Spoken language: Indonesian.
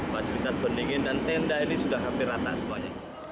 fasilitas pendingin dan tenda ini sudah hampir rata semuanya